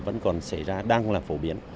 vẫn còn xảy ra đang là phổ biến